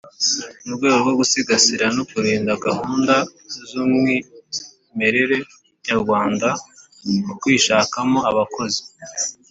Mu rwego rwo gusigasira no kurinda gahunda zumwimerere nyarwanda mu kwishakamo abakozi